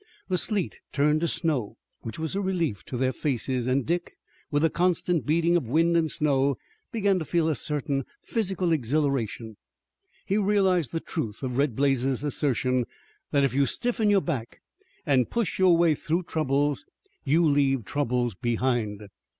The sleet turned to snow, which was a relief to their faces, and Dick, with the constant beating of wind and snow, began to feel a certain physical exhilaration. He realized the truth of Red Blaze's assertion that if you stiffen your back and push your way through troubles you leave troubles behind.